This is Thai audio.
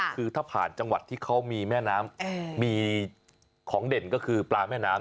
คือถ้าผ่านจังหวัดที่เขามีแม่น้ำมีของเด่นก็คือปลาแม่น้ำ